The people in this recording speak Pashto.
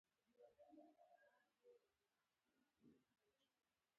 پښتو ستاسو د هوډ په تمه ده.